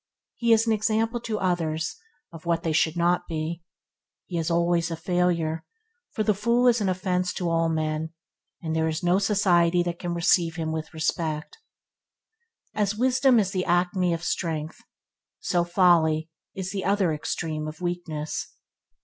He is an example to others of what they should not be. He is always a failure, for the fool is an offence to all men, and there is no society that can receive him with respect. As wisdom is the acme of strength, so folly is the other extreme of weakness.